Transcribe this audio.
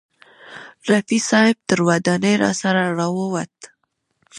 رفیع صاحب تر ودانۍ راسره راوووت.